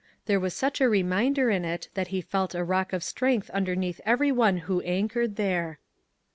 There was such a reminder in it that he felt a rock of strength under neath every one who anchored there.